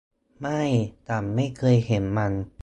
ไม่ฉันไม่เคยเห็นมัน